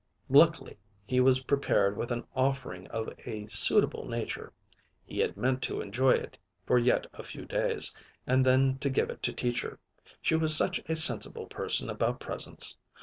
Luckily, he was prepared with an offering of a suitable nature. He had meant to enjoy it for yet a few days, and then to give it to Teacher. She was such a sensible person about presents.